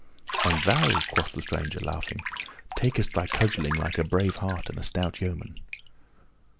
"And thou," quoth the stranger, laughing, "takest thy cudgeling like a brave heart and a stout yeoman."